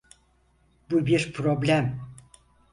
Bu bir problem.